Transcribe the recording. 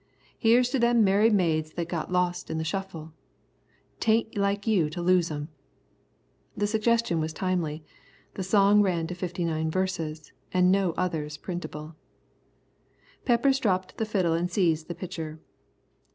"Here's to them merry maids that got lost in the shuffle. 'Tain't like you to lose 'em." The suggestion was timely. The song ran to fifty nine verses, and no others printable. Peppers dropped the fiddle and seized the pitcher.